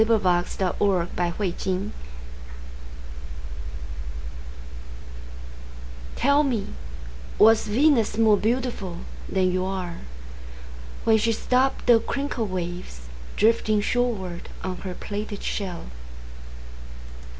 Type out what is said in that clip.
Venus Transiens By Amy Lowell TELL me, Was Venus more beautifulThan you are, When she stoppedThe crinkled waves, Drifting shorewardOn her plaited shell?